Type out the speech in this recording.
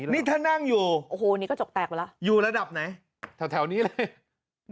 นี่ถ้านั่งอยู่อยู่ระดับไหนแถวนี้เลย